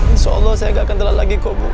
insya allah saya gak akan telat lagi kok bu